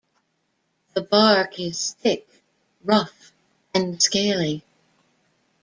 The bark is thick, rough, and scaly.